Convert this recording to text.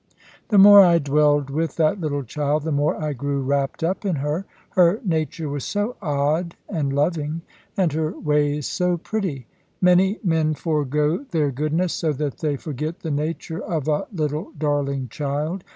The more I dwelled with that little child, the more I grew wrapped up in her. Her nature was so odd and loving, and her ways so pretty. Many men forego their goodness, so that they forget the nature of a little darling child.